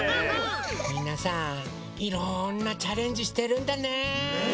みんなさいろんなチャレンジしてるんだね。